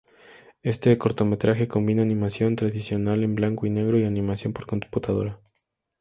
Este cortometraje combina animación tradicional en blanco y negro y animación por computadora.